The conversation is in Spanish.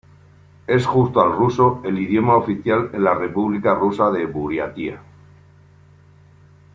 Es, junto al ruso, el idioma oficial en la república rusa de Buriatia.